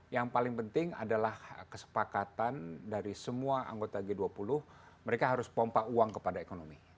yang paling penting adalah kesepakatan dari semua anggota g dua puluh mereka harus pompa uang kepada ekonomi